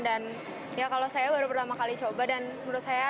dan ya kalau saya baru pertama kali coba dan menurut saya